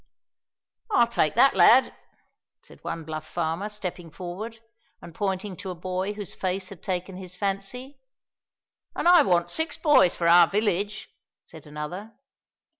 "I'll take that lad," said one bluff farmer, stepping forward, and pointing to a boy whose face had taken his fancy. "And I want six boys for our village," said another.